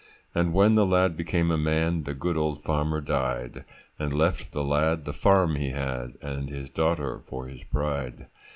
And when the lad became a man, The good old farmer died, And left the lad the farm he had, And his daughter for his bride.